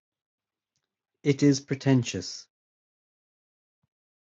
It is pretentious.